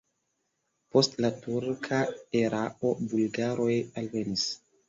Post la turka erao bulgaroj alvenis.